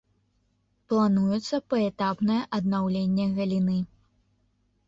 Плануецца паэтапнае аднаўленне галіны.